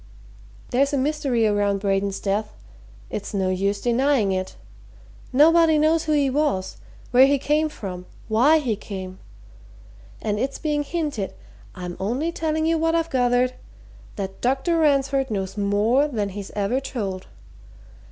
There's a mystery around Braden's death it's no use denying it. Nobody knows who he was, where he came from, why he came. And it's being hinted I'm only telling you what I've gathered that Dr. Ransford knows more than he's ever told.